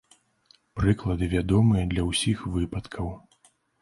Прыклады вядомыя для ўсіх выпадкаў.